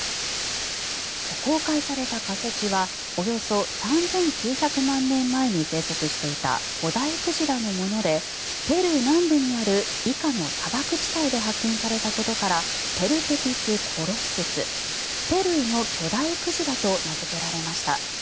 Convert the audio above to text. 公開された化石はおよそ３９００万年前に生息していた古代鯨のものでペルー南部にあるイカの砂漠地帯で発見されたことからペルケトゥス・コロッススペルーの巨大鯨と名付けられました。